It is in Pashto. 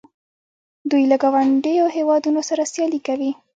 دوی له ګاونډیو هیوادونو سره سیالي کوي.